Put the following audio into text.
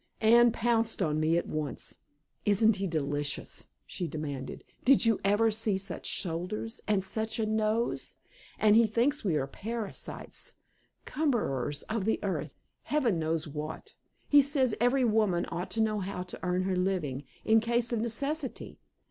Anne pounced on me at once. "Isn't he delicious?" she demanded. "Did you ever see such shoulders? And such a nose? And he thinks we are parasites, cumberers of the earth, Heaven knows what. He says every woman ought to know how to earn her living, in case of necessity!